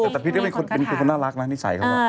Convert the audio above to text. แต่ตะพีชก็เป็นคนน่ารักนะนิสัยเขา